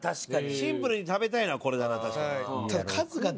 シンプルに食べたいのはこれだな確かに。